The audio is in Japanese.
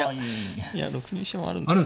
いや６二飛車もあるんですけど。